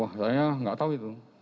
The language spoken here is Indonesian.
wah saya nggak tahu itu